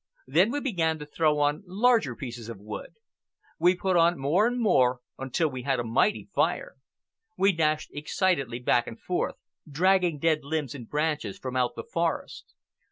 Then we began to throw on larger pieces of wood. We put on more and more, until we had a mighty fire. We dashed excitedly back and forth, dragging dead limbs and branches from out the forest.